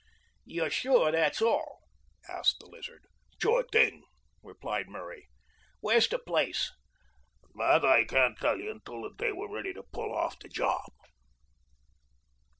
"You're sure dat's all?" asked the Lizard. "Sure thing!" replied Murray. "Where's de place?" "Dat I can't tell you until the day we're ready to pull off de job."